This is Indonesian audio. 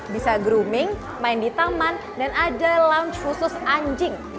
bisa grooming main di taman dan ada lounge khusus anjing